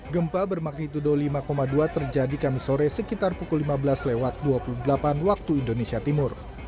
gempa bermagnitudo lima dua terjadi kami sore sekitar pukul lima belas lewat dua puluh delapan waktu indonesia timur